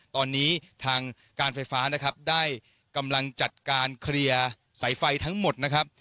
ตอนนี้ทางการไฟฟ้านะครับได้กำลังจัดการเคลียร์สายไฟทั้งหมดนะครับ